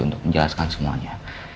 untuk menjelaskan semuanya